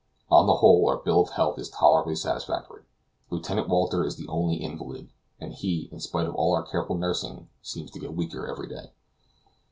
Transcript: On the whole our bill of health is tolerably satisfactory. Lieutenant Walter is the only invalid, and he, in spite of all our careful nursing, seems to get weaker every day.